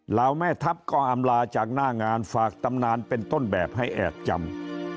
เหล่าแม่ทัพก็อำลาจากหน้างานฝากตำนานเป็นต้นแบบให้แอบจำ